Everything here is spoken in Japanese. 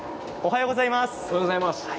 おはようございます。